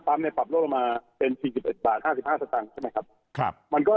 ภาพรวมปับลดลงมาเป็น๔๑บาท๕๕สตรัง